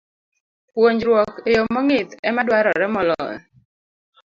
Puonjruok e yo mong'ith ema dwarore moloyo